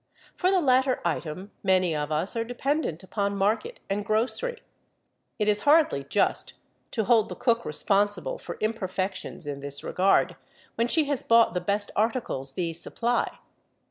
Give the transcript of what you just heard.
For the latter item many of us are dependent upon market and grocery. It is hardly just to hold the cook responsible for imperfections in this regard when she has bought the best articles these supply.